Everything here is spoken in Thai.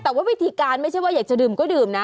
แต่ว่าวิธีการไม่ใช่ว่าอยากจะดื่มก็ดื่มนะ